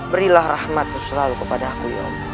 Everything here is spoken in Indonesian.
berilah rahmatmu selalu kepada aku